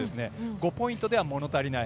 ５ポイントではもの足りない。